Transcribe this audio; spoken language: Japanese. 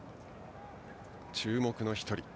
注目の１人。